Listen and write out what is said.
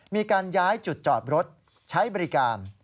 มีการย้ายจุดจอดรถใช้บริการ